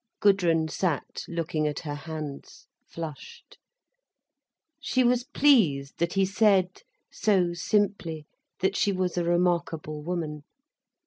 Gudrun sat looking at her hands, flushed. She was pleased that he said, so simply, that she was a remarkable woman.